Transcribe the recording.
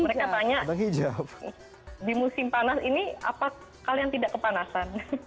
mereka tanya di musim panas ini apa kalian tidak kepanasan